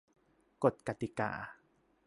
กฎกติกา